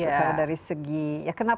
kalau dari segi ya kenapa